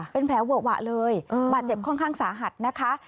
เป็นแผลเวอะหวะเลยบาดเจ็บค่อนข้างสาหัสนะคะ